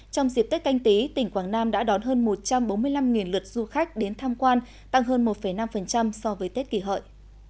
trong dịp tết canh tí tỉnh quảng nam đã đón hơn một trăm bốn mươi năm lượt du khách đến tham quan tăng hơn một năm so với tết kỳ hợi